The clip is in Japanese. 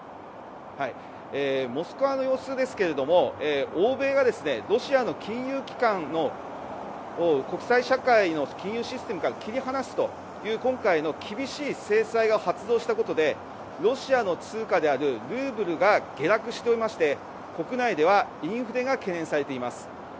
モスクワの様子ですが欧米がロシアを国際社会の金融システムから切り離すという今回の厳しい制裁を発動したことでロシアの通貨であるルーブルが下落しておりまして国内ではインフレが懸念されています。